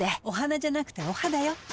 お花じゃなくてお肌よ。